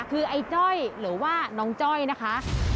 คือไอ้จ้อยหรือว่าน้องจ้อยนะคะ